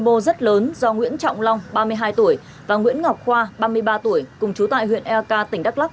mô rất lớn do nguyễn trọng long ba mươi hai tuổi và nguyễn ngọc khoa ba mươi ba tuổi cùng chú tại huyện eak tỉnh đắk lắc